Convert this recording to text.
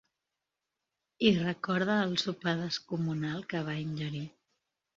I recorda el sopar descomunal que va ingerir.